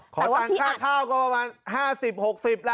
ขอสั่งค่าข้าวก็ประมาณ๕๐๖๐ละ